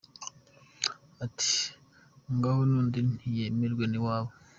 Ati « ngaho n’ubundi ntiyemerwa iwabo »!